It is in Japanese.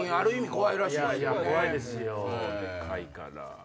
怖いですよでかいから。